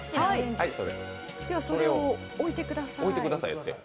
それを置いてください。